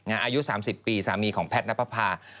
อายุ๓๐ปีสามีของแพทย์น้ำภาพ